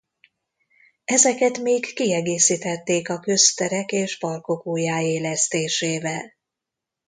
Ezeket még kiegészítették a Közterek és parkok újjáélesztésével.